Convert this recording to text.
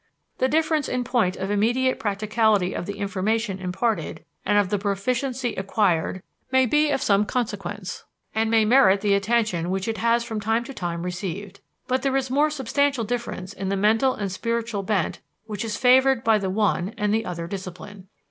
The difference in point of immediate practicality of the information imparted and of the proficiency acquired may be of some consequence and may merit the attention which it has from time to time received; but there is more substantial difference in the mental and spiritual bent which is favored by the one and the other discipline.